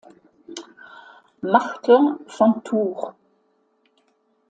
Martin von Tours.